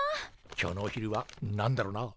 今日のお昼は何だろな。